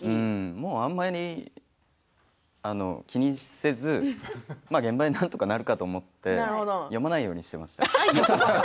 もう、あんまり気にせず現場で、なんとかなるかと思って読まないようにしてました。